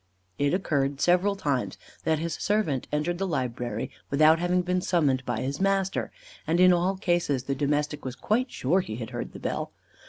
It occurred, several times, that his servant entered the library without having been summoned by his master, and in all cases the domestic was quite sure he had heard the bell.